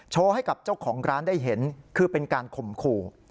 ให้กับเจ้าของร้านได้เห็นคือเป็นการข่มขู่